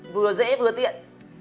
vừa dễ vừa tiện